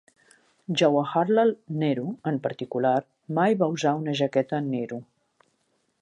Jawaharlal Nehru, en particular, mai va usar una jaqueta Nehru.